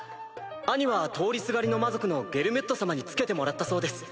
兄は通りすがりの魔族のゲルミュッド様に付けてもらったそうです